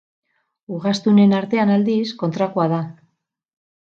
Ugaztunen artean, aldiz, kontrakoa da.